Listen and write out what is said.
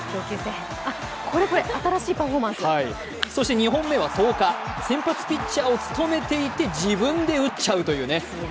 そして２本目は１０日、先発ピッチャーを務めていて自分で打っちゃうというね。